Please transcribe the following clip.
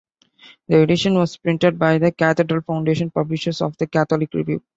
The edition was printed by the Cathedral Foundation, publishers of "The Catholic Review".